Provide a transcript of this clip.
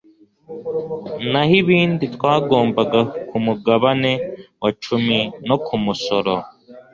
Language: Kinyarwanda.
naho ibindi twagombaga ku mugabane wa cumi no ku musoro